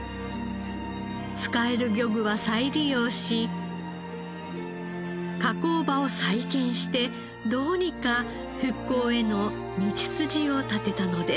使える漁具は再利用し加工場を再建してどうにか復興への道筋を立てたのです。